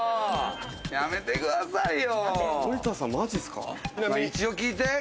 やめてくださいよ。